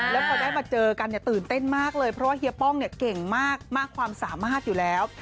แล้วพอได้มาเจอกันเนี่ยตื่นเต้นมากเลยเพราะว่าเฮียป้องเนี่ยเก่งมากความสามารถอยู่แล้ว